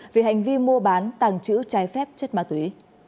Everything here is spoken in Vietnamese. về hành vi mua bán tàng trữ trái phép chất ma túy